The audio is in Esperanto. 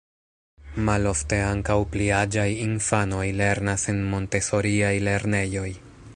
Malofte ankaŭ pli aĝaj infanoj lernas en Montesoriaj lernejoj.